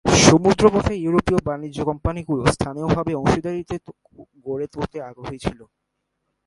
সমুদ্রপথে ইউরোপীয় বাণিজ্য কোম্পানিগুলি স্থানীয়ভাবে অংশীদারিত্ব গড়ে তুলতে আগ্রহী ছিল।